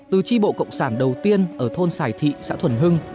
từ tri bộ cộng sản đầu tiên ở thôn sài thị xã thuần hưng